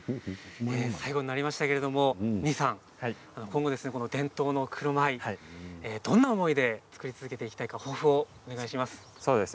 最後になりましたけれども新居さん、今後、伝統の黒米どんな思いで作り続けていきたいか抱負をお願いします。